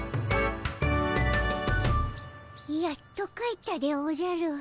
やっと帰ったでおじゃる。